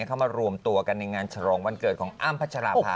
เข้ามารวมตัวกันในงานฉลองวันเกิดของอ้ำพัชราภา